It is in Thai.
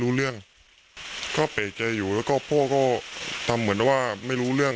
รู้เรื่องเขาเปรกใจอยู่แล้วพ่อก็ทำแล้วว่าไม่รู้เรื่อง